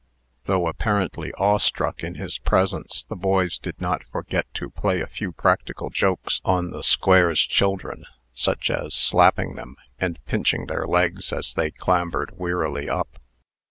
Though apparently awestruck in his presence, the boys did not forget to play a few practical jokes on "the Square's" children, such as slapping them, and pinching their legs as they clambered wearily up.